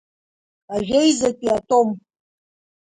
Ажәеизатәи атом.